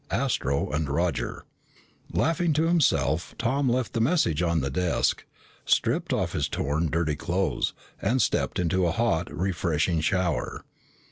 ASTRO AND ROGER Laughing to himself, Tom left the message on the desk, stripped off his torn, dirty clothes, and stepped into a hot, refreshing shower.